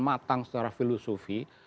matang secara filosofi